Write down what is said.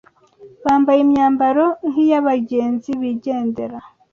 bambaye imyambaro nk’iy’abagenzi bigendera